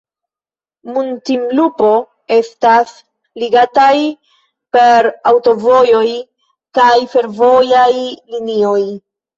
Muntinlupo estas ligataj per aŭtovojoj kaj fervojaj linioj.